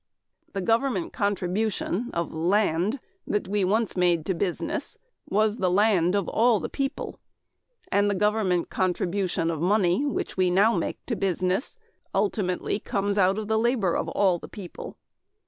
The government contribution of land that we once made to business was the land of all the people. And the government contribution of money which we now make to business ultimately comes out of the labor of all the people.